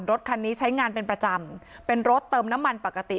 รถคันนี้ใช้งานเป็นประจำเป็นรถเติมน้ำมันปกติ